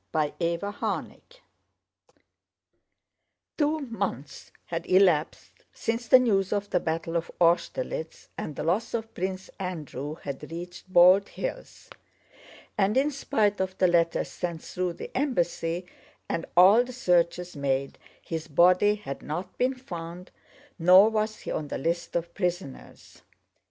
CHAPTER VII Two months had elapsed since the news of the battle of Austerlitz and the loss of Prince Andrew had reached Bald Hills, and in spite of the letters sent through the embassy and all the searches made, his body had not been found nor was he on the list of prisoners.